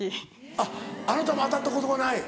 あっあなたも当たったことがない？